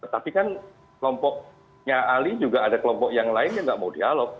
tapi kan kelompoknya ali juga ada kelompok yang lain yang nggak mau dialog